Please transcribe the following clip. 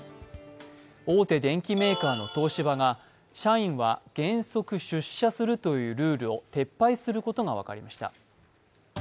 大手電機メーカーの東芝が社員は原則出社するというルールを撤廃することが分かりました。